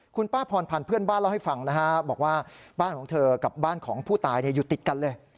คุณป้าพรพันธ์เพื่อนบ้านเล่าให้ฟังนะฮะบอกว่าบ้านของเธอกับบ้านของผู้ตายอยู่ติดกันเลย